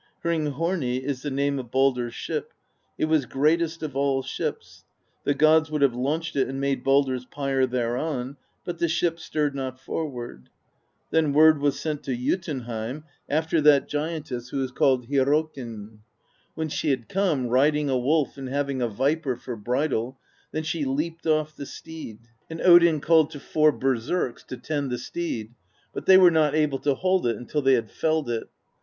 Hringhorni is the name of Baldr's ship : it was great est of all ships; the gods would have launched it and made Baldr's pyre thereon, but the ship stirred not forward. Then word was sent to Jotunheim after that giantess who THE BEGUILING OF GYLFI 73 is called Hyrrokkin. When she had come, riding a wolf and having a viper for bridle, then she leaped ofFthe steed; and Odin called to four berserks to tend the steed; but they were not able to hold it until they had felled it.